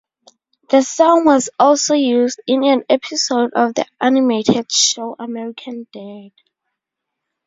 The song was also used in an episode of the animated show American Dad.